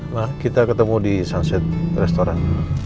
nah kita ketemu di sunset restoran